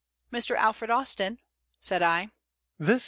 "Mr. Alfred Austin?" said I.